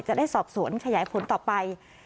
จะได้สอบสวนขยายผลต่อไป